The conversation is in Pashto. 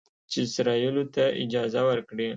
چې اسرائیلو ته اجازه ورکړي